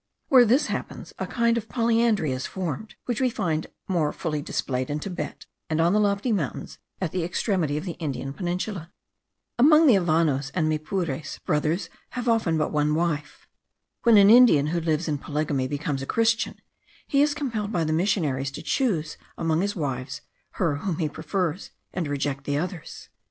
Where this happens, a kind of polyandry is formed, which we find more fully displayed in Thibet, and on the lofty mountains at the extremity of the Indian peninsula. Among the Avanos and Maypures, brothers have often but one wife. When an Indian, who lives in polygamy, becomes a christian, he is compelled by the missionaries, to choose among his wives her whom he prefers, and to reject the others.